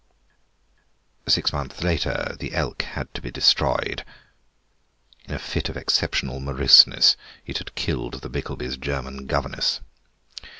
Six months later the elk had to be destroyed. In a fit of exceptional moroseness it had killed the Bickelbys' German governess.